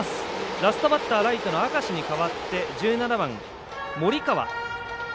ラストバッターライトの明石に代わって１７番、森川。